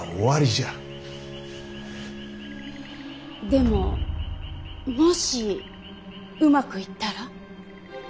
でももしうまくいったら。